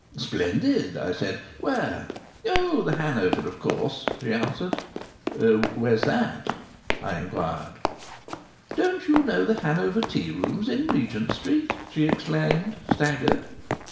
"Splendid," I said. "Where?" "Oh! The Hanover, of course!" she answered. "Where's that?" I inquired. "Don't you know the Hanover Tea rooms in Regent Street?" she exclaimed, staggered.